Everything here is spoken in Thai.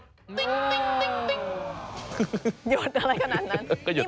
หยุดอะไรขนาดนั้น